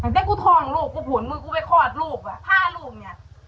เนี้ยกูทองลูกกูผูนว่ากูไปคลอดลูกอะผ้าลูกเนี้ย